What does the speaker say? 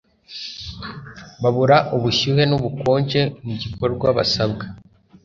babura ubushyuhe n'ubukonje mu gikorwa basabwa